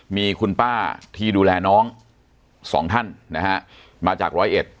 มีคุณป้าที่ดูแลน้องสองท่านนะฮะมาจาก๑๐๑